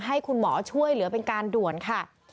ให้คุณหมอช่วยเหลือเป็นการด่วนค่ะ